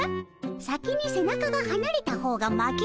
先に背中がはなれた方が負けでおじゃる。